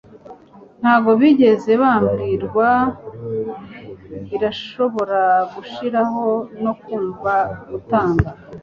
ntabwo bigeze babwirwa birashobora gushiraho no kumva gutanga